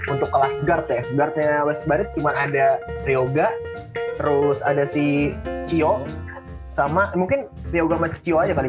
untuk kelas guard ya guardnya west bandit cuman ada trioga terus ada si cio sama mungkin trioga sama cio aja kali